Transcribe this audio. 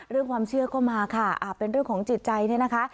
เรื่องความเชื่อก็มาค่ะเป็นเรื่องของจิตใจเนี่ยนะคะ